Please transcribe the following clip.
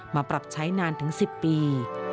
มาปรับใช้นานถึง๑๐ปี